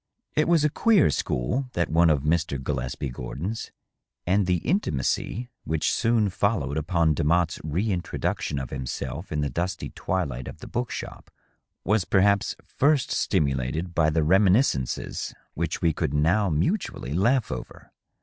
It was a queer school, that one of Mr. Gillespie Gordon^s, and the intimacy which soon followed upon Demotte's re introduction of himself in the dusty twilight of the book shop was perhaps first stimulated by the reminiscences which we could now mutually laugh over.